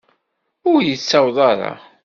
Ur yettaweḍ ara.